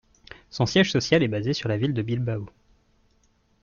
Son siège social est basé sur la ville de Bilbao.